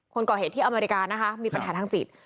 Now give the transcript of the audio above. คนก่อเหตุที่อเมริกานะคะมีปัญหาทางจิต